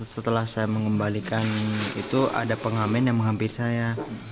setelah saya mengembalikan itu ada pengamen yang menghampiri saya